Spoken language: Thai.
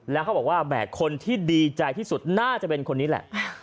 แล้วเขาบอกว่าแหมคนที่ดีใจที่สุดน่าจะเป็นคนนี้แหละ